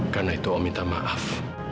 karena itu om minta maaf